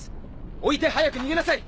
置いて早く逃げなさい。